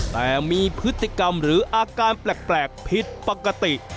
แต่มีพฤติกรรมหรืออาการแปลกผิดปกติ